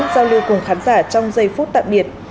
giao lưu cùng khán giả trong giây phút tạm biệt